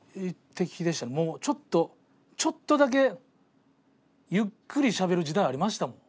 ちょっとだけゆっくりしゃべる時代ありましたもん。